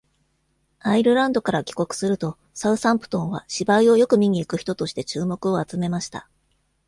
アイルランドから帰国すると、サウサンプトンは芝居をよく見に行く人として注目を集めました。